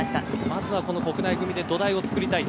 まずは国内組で土台を作りたい